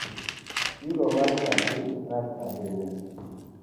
Kilo mar nyathi rach ahinya.